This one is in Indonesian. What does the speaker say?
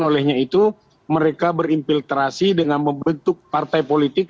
olehnya itu mereka berinfiltrasi dengan membentuk partai politik